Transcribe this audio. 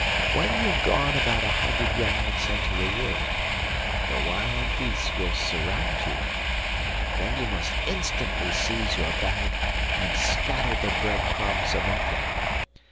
When you have gone about a hundred yards into the wood the wild beasts will surround you. Then you must instantly seize your bag, and scatter the bread crumbs among them.